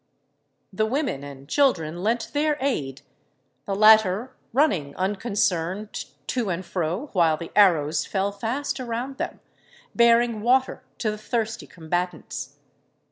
The women and children lent their aid, the latter running unconcerned to and fro while the arrows fell fast around them, bearing water to the thirsty combatants.